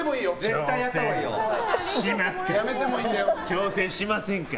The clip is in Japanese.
挑戦しませんか？